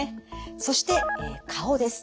そして顔です。